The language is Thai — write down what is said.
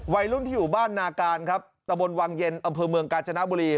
วัยรุ่นที่อยู่บ้านนาการครับตะบนวังเย็นอำเภอเมืองกาญจนบุรี